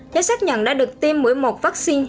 giá xác nhận đã được tiêm mỗi một vaccine